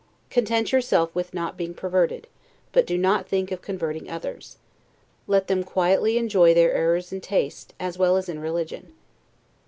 Content yourself with not being perverted, but do not think of converting others; let them quietly enjoy their errors in taste, as well as in religion.